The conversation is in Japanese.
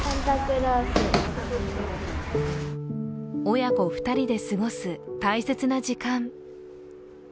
親子２人で過ごす大切な時間。